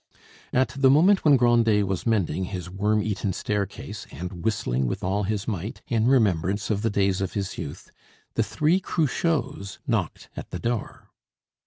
At the moment when Grandet was mending his worm eaten staircase and whistling with all his might, in remembrance of the days of his youth, the three Cruchots knocked at the door.